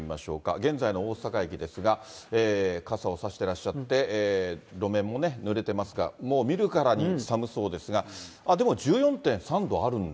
現在の大阪駅ですが、傘を差してらっしゃって、路面もぬれていますが、もう見るからに寒そうですが、でも、１４．３度あるんだ。